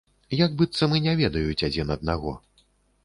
Як быццам і не ведаюць адзін аднаго.